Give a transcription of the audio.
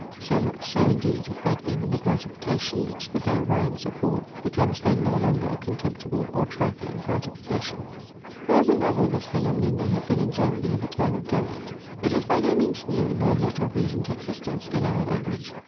So much so indeed, that even the gratification which the very rhymes afford, becomes then no longer a contemptible or trifling gratification." However novel this phaenomenon may have been in Germany at the time of Gellert, it is by no means new, nor yet of recent existence in our language.